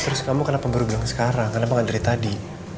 terus kamu kenapa baru bilang sekarang kenapa ngantri tadi